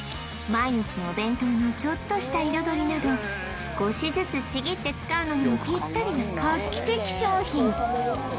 毎日のお弁当のちょっとした彩りなど少しずつちぎって使うのにもぴったりな画期的商品